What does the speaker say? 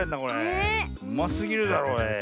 うますぎるだろおい。